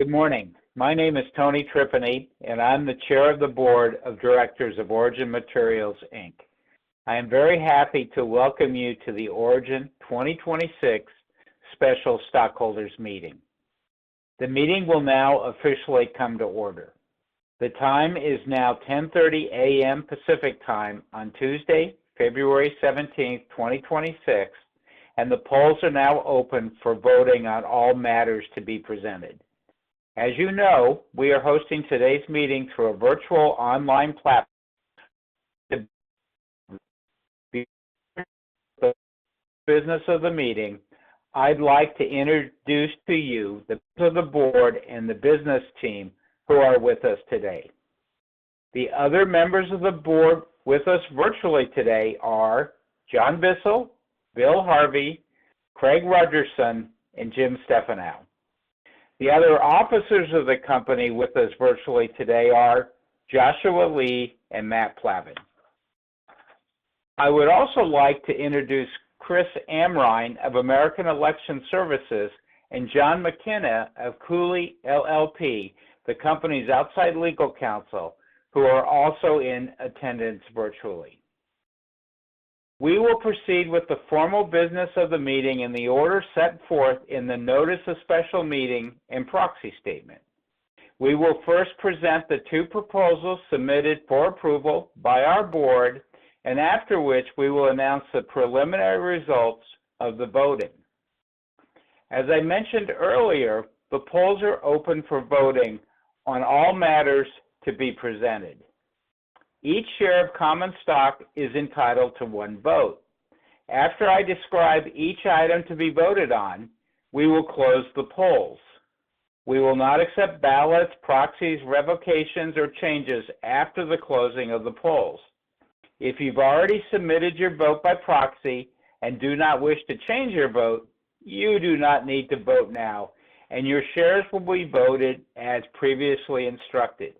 Good morning. My name is Tony Tripeny, and I'm the Chair of the board of directors of Origin Materials, Inc. I am very happy to welcome you to the Origin 2026 special stockholders meeting. The meeting will now officially come to order. The time is now 10:30AM. Pacific Time on Tuesday, February 17, 2026, and the polls are now open for voting on all matters to be presented. As you know, we are hosting today's meeting through a virtual online platform. To business of the meeting, I'd like to introduce to you the board and the business team who are with us today. The other members of the board with us virtually today are John Bissell, William Harvey, Craig Rogerson, and Jim Stephanou. The other officers of the company with us virtually today are Joshua Lee and Matt Plavan. I would also like to introduce Kris Amrine of American Election Services and John McKenna of Cooley LLP, the company's outside legal counsel, who are also in attendance virtually. We will proceed with the formal business of the meeting in the order set forth in the Notice of Special Meeting and Proxy Statement. We will first present the two proposals submitted for approval by our board, and after which, we will announce the preliminary results of the voting. As I mentioned earlier, the polls are open for voting on all matters to be presented. Each share of common stock is entitled to one vote. After I describe each item to be voted on, we will close the polls. We will not accept ballots, proxies, revocations, or changes after the closing of the polls. If you've already submitted your vote by proxy and do not wish to change your vote, you do not need to vote now, and your shares will be voted as previously instructed.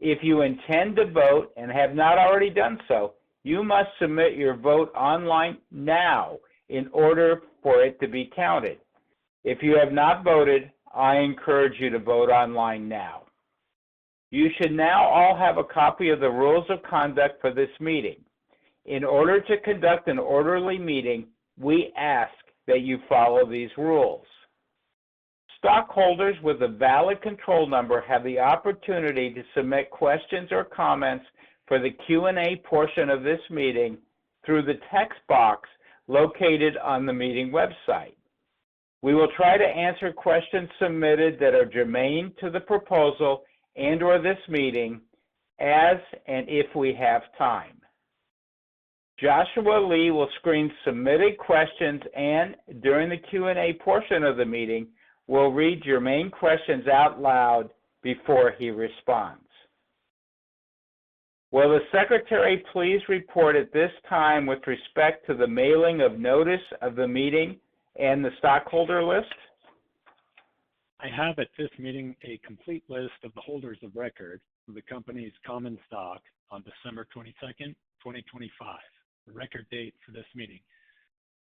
If you intend to vote and have not already done so, you must submit your vote online now in order for it to be counted. If you have not voted, I encourage you to vote online now. You should now all have a copy of the rules of conduct for this meeting. In order to conduct an orderly meeting, we ask that you follow these rules. Stockholders with a valid control number have the opportunity to submit questions or comments for the Q&A portion of this meeting through the text box located on the meeting website. We will try to answer questions submitted that are germane to the proposal and/or this meeting, as and if we have time. Joshua Lee will screen submitted questions, and during the Q&A portion of the meeting, will read your main questions out loud before he responds. Will the Secretary please report at this time with respect to the mailing of notice of the meeting and the stockholder list? I have, at this meeting, a complete list of the holders of record of the company's common stock on December 22, 2025, the record date for this meeting.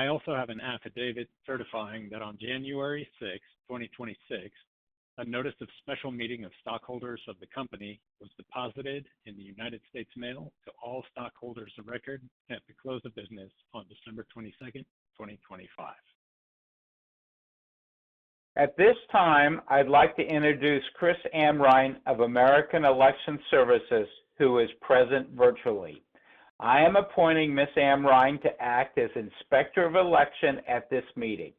I also have an affidavit certifying that on January 6, 2026, a notice of special meeting of stockholders of the company was deposited in the United States Mail to all stockholders of record at the close of business on December 22, 2025. At this time, I'd like to introduce Chris Amrine of American Election Services, who is present virtually. I am appointing Ms. Amrine to act as Inspector of Election at this meeting.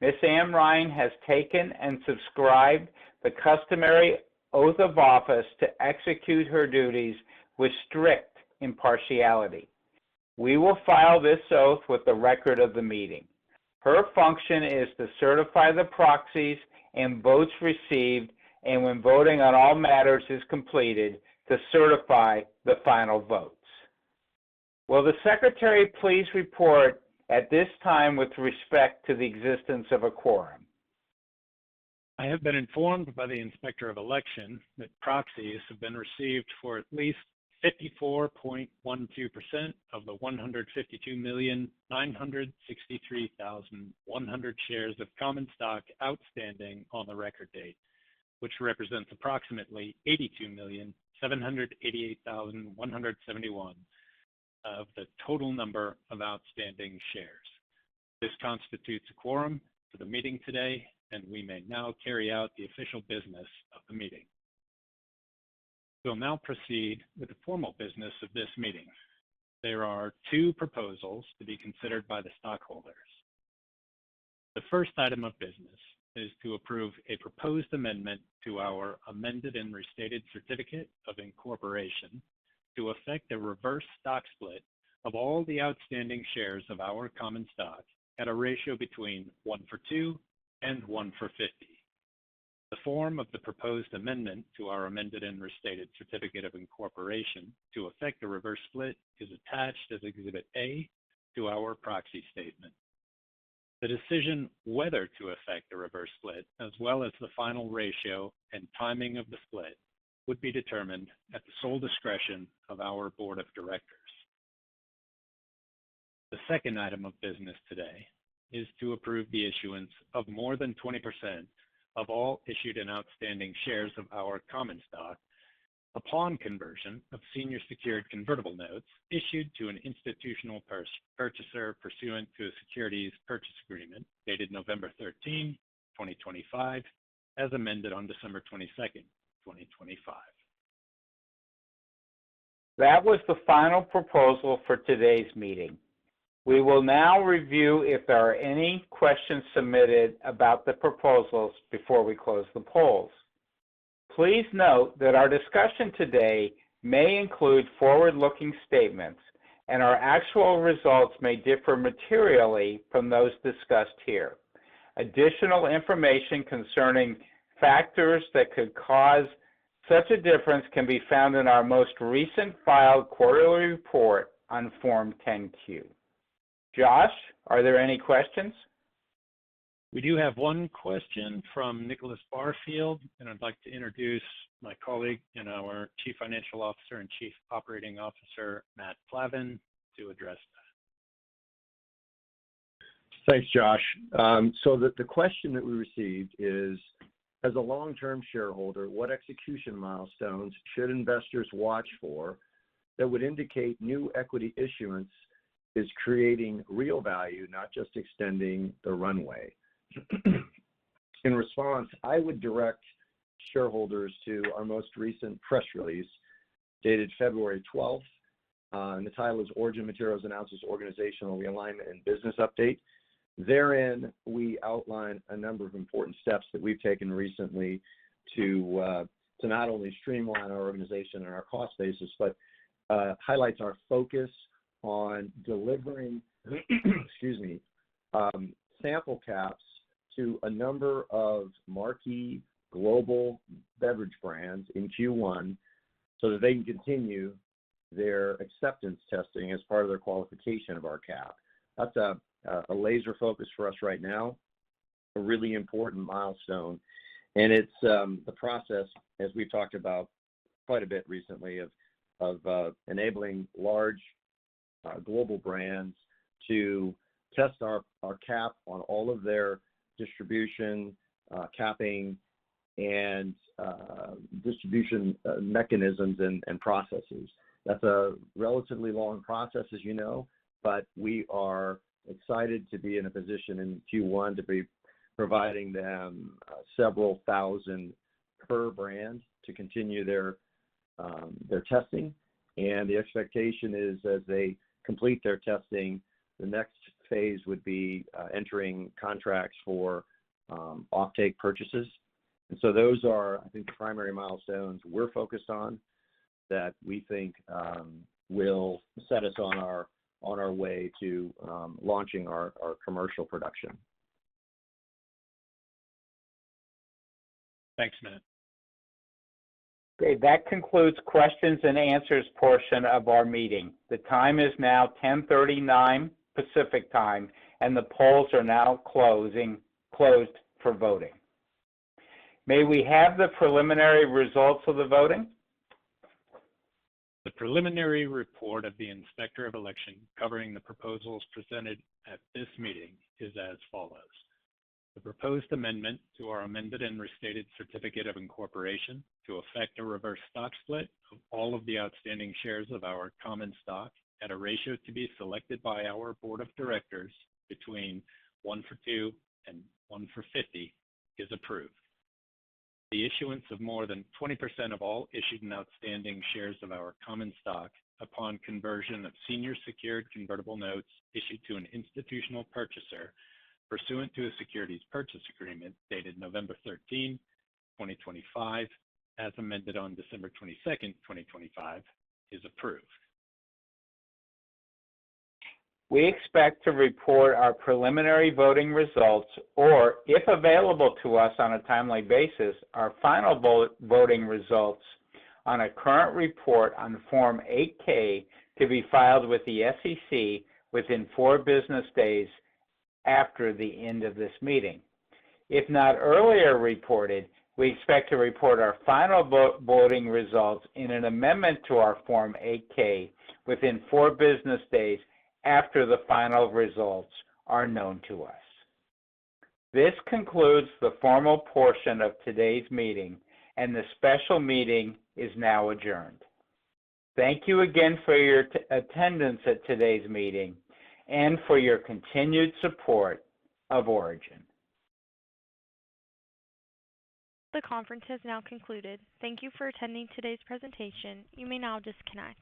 Ms. Amrine has taken and subscribed the customary oath of office to execute her duties with strict impartiality. We will file this oath with the record of the meeting. Her function is to certify the proxies and votes received, and when voting on all matters is completed, to certify the final votes. Will the Secretary please report at this time with respect to the existence of a quorum? I have been informed by the Inspector of Election that proxies have been received for at least 54.12% of the 152,963,100 shares of common stock outstanding on the record date, which represents approximately 82,788,171 of the total number of outstanding shares. This constitutes a quorum for the meeting today, and we may now carry out the official business of the meeting. We'll now proceed with the formal business of this meeting. There are two proposals to be considered by the stockholders. The first item of business is to approve a proposed amendment to our amended and restated certificate of incorporation to effect a reverse stock split of all the outstanding shares of our common stock at a ratio between 1-for-2 and 1-for-50. The form of the proposed amendment to our amended and restated certificate of incorporation to effect the reverse split is attached as Exhibit A to our Proxy Statement. The decision whether to effect the reverse split, as well as the final ratio and timing of the split, would be determined at the sole discretion of our board of directors. The second item of business today is to approve the issuance of more than 20% of all issued and outstanding shares of our common stock upon conversion of senior secured convertible notes issued to an institutional purchaser pursuant to a securities purchase agreement dated November thirteenth, 2025, as amended on December 22nd, 2025. That was the final proposal for today's meeting. We will now review if there are any questions submitted about the proposals before we close the polls. Please note that our discussion today may include forward-looking statements, and our actual results may differ materially from those discussed here. Additional information concerning factors that could cause such a difference can be found in our most recent filed quarterly report on Form 10-Q. Josh, are there any questions? We do have one question from Nicholas Barfield, and I'd like to introduce my colleague and our Chief Financial Officer and Chief Operating Officer, Matt Plavan, to address that. Thanks, Josh. So the question that we received is: "As a long-term shareholder, what execution milestones should investors watch for that would indicate new equity issuance is creating real value, not just extending the runway?" In response, I would direct shareholders to our most recent press release, dated February twelfth. The title is Origin Materials Announces Organizational Realignment and Business Update. Therein, we outline a number of important steps that we've taken recently to not only streamline our organization and our cost basis, but highlights our focus on delivering sample caps to a number of marquee global beverage brands in Q1, so that they can continue their acceptance testing as part of their qualification of our cap. That's a laser focus for us right now, a really important milestone, and it's a process, as we've talked about quite a bit recently, enabling large global brands to test our cap on all of their distribution capping and distribution mechanisms and processes. That's a relatively long process, as you know, but we are excited to be in a position in Q1 to be providing them several thousand per brand to continue their testing. And the expectation is, as they complete their testing, the next phase would be entering contracts for offtake purchases. And so those are, I think, the primary milestones we're focused on, that we think will set us on our way to launching our commercial production. Thanks, Matt. Okay, that concludes questions and answers portion of our meeting. The time is now 10:39AM. Pacific Time, and the polls are now closing, closed for voting. May we have the preliminary results of the voting? The preliminary report of the Inspector of Election covering the proposals presented at this meeting is as follows: The proposed amendment to our amended and restated certificate of incorporation to effect a reverse stock split of all of the outstanding shares of our common stock at a ratio to be selected by our board of directors between 1-for-2 and 1-for-50, is approved. The issuance of more than 20% of all issued and outstanding shares of our common stock upon conversion of senior secured convertible notes issued to an institutional purchaser pursuant to a securities purchase agreement dated November 13, 2025, as amended on December 22, 2025, is approved. We expect to report our preliminary voting results, or if available to us on a timely basis, our final voting results on a current report on Form 8-K, to be filed with the SEC within four business days after the end of this meeting. If not earlier reported, we expect to report our final voting results in an amendment to our Form 8-K within four business days after the final results are known to us. This concludes the formal portion of today's meeting, and the special meeting is now adjourned. Thank you again for your attendance at today's meeting and for your continued support of Origin. The conference has now concluded. Thank you for attending today's presentation. You may now disconnect.